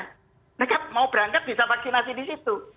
mereka mau berangkat bisa vaksinasi di situ